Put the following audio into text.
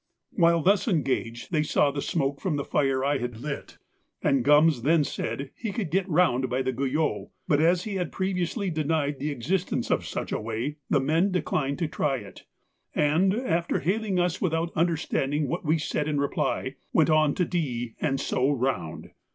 While thus engaged they saw the smoke from the fire I had lit, and Gums then said he could get round by the Guyot, but as he had previously denied the existence of such a way the men declined to try it, and, after hailing us without understanding what we said in reply, went on to D and so round.